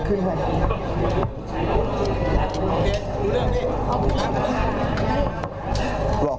ขึ้นให้มึง